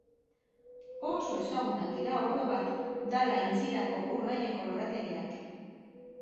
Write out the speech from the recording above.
Oso ezagunak dira orobat Dal aintzirako ur gaineko lorategiak.